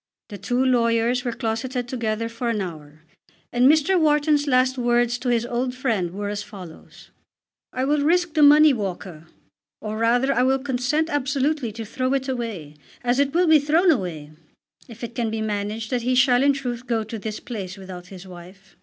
The two lawyers were closeted together for an hour, and Mr. Wharton's last words to his old friend were as follows: "I will risk the money, Walker, or rather I will consent absolutely to throw it away, as it will be thrown away, if it can be managed that he shall in truth go to this place without his wife."